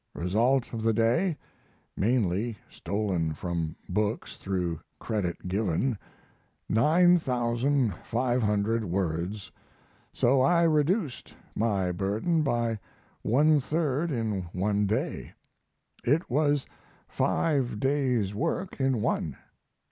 Result of the day (mainly stolen from books though credit given), 9,500 words, so I reduced my burden by one third in one day. It was five days' work in one.